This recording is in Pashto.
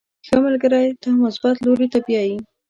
• ښه ملګری تا مثبت لوري ته بیایي.